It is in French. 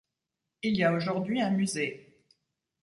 Il y a aujourd'hui un musée.